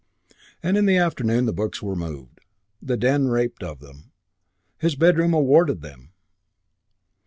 And in the afternoon the books were moved, the den raped of them, his bedroom awarded them.